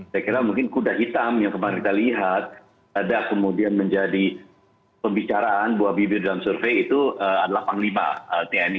saya kira mungkin kuda hitam yang kemarin kita lihat ada kemudian menjadi pembicaraan bu habibie dalam survei itu adalah panglima tni